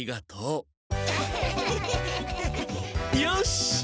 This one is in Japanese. よし！